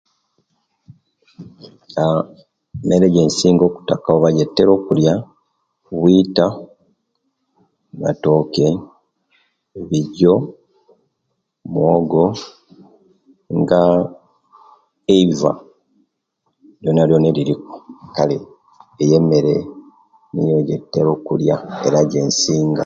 Emere ejensinga okutaka oba okuliya buita, matoke, bijo muwogo nga eiva lyonalyona eririku kale eyo emere niyo ejetutera okuliya era jesinga